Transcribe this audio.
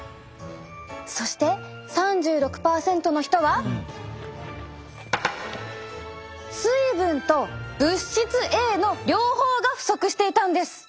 そして３６％の人は水分と物質Ａの両方が不足していたんです。